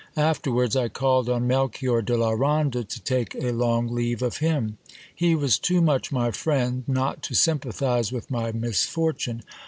Afterwards I called on Melchior de la Ronda, to take a long leave of him. He was too much my friend not to sympathize with my misfortune.